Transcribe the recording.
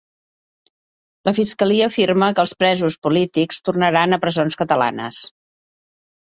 La fiscalia afirma que els presos polítics tornaran a presons catalanes